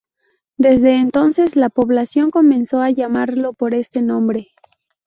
Desde entonces, la población comenzó a llamarlo por este nombre.